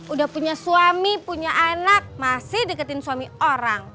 udah punya suami punya anak masih deketin suami orang